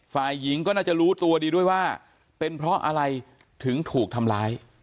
ฝ่ายหญิงก็น่าจะรู้ตัวดีด้วยว่าเป็นเพราะอะไรถึงถูกทำร้าย